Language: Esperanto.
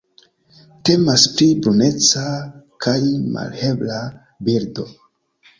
Temas pri bruneca kaj malhela birdo.